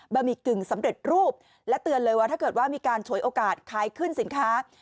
หมี่กึ่งสำเร็จรูปและเตือนเลยว่าถ้าเกิดว่ามีการฉวยโอกาสขายขึ้นสินค้า